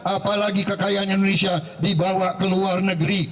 apalagi kekayaan indonesia dibawa ke luar negeri